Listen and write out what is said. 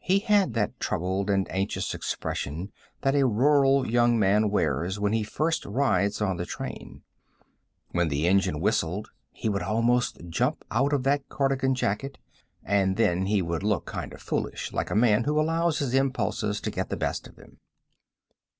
He had that troubled and anxious expression that a rural young man wears when he first rides on the train. When the engine whistled he would almost jump out of that cardigan jacket, and then he would look kind of foolish, like a man who allows his impulses to get the best of him.